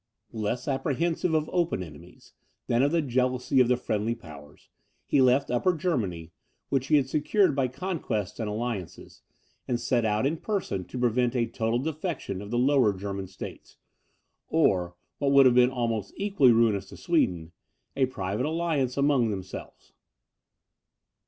Less apprehensive of open enemies, than of the jealousy of the friendly powers, he left Upper Germany, which he had secured by conquests and alliances, and set out in person to prevent a total defection of the Lower German states, or, what would have been almost equally ruinous to Sweden, a private alliance among themselves.